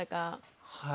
はい。